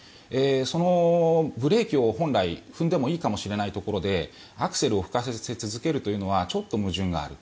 そのブレーキを本来踏んでもいいかもしれないところでアクセルを吹かし続けるのはちょっと矛盾がある。